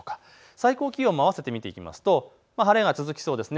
最高気温も合わせて見ていきますと晴れが続きそうです。